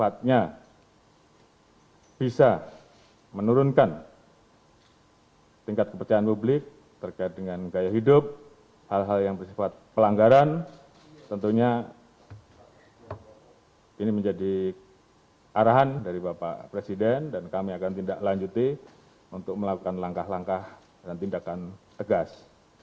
tentunya ini menjadi arahan dari bapak presiden dan kami akan tindak lanjuti untuk melakukan langkah langkah dan tindakan tegas